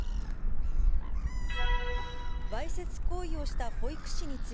わいせつ行為をした保育士につい